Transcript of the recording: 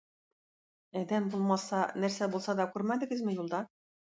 Адәм булмаса, нәрсә булса да күрмәдегезме юлда?